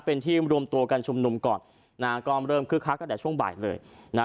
เป็นที่รวมตัวกันชมนุมก่อนนะฮะกล้อมเริ่มคือคลักก็แต่ช่วงบ่ายเลยนะ